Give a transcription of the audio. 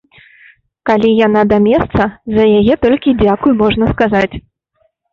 Калі яна да месца, за яе толькі дзякуй можна сказаць.